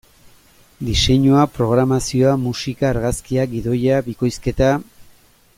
Diseinua, programazioa, musika, argazkiak, gidoia, bikoizketa...